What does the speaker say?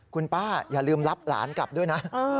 คุณป้าอย่าลืมรับหลานกลับด้วยนะ